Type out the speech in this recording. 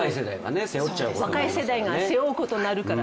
でないと、若い世代が背負うことになるから。